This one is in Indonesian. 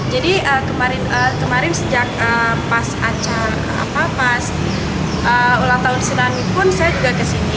jadi kemarin sejak pas acara pas ulang tahun tsunami pun saya juga ke sini